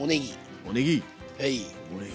おねぎ。